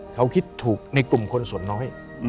เขาคิดถูกในกลุ่มคนส่วนน้อย